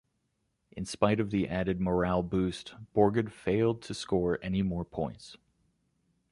In spite of the added morale boost, Borgudd failed to score any more points.